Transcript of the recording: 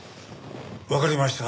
わかりました。